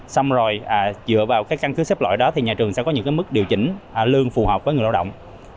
xong rồi dựa vào cái căn cứ xếp loại đó thì nhà trường sẽ có những mức điều chỉnh lương phù hợp với người lao động